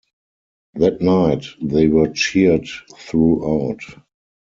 That night, they were cheered throughout.